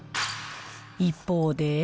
一方で。